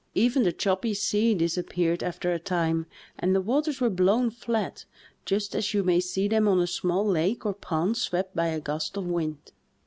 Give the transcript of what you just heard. Even the choppy sea disappeared after a time and the waters were blown flat just as you may see them on a small lake or pond swept by a gust of wind.